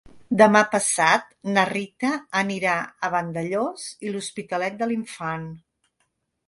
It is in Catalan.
Demà passat na Rita anirà a Vandellòs i l'Hospitalet de l'Infant.